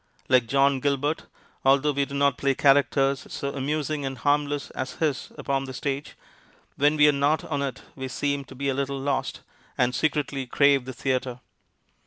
Like John Gilbert, although we do not play characters so amusing and harmless as his upon the stage, when we are not on it we seem to be a little lost, and secretly crave the theatre.